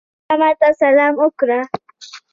ګل ماما ته سلام ورکړ.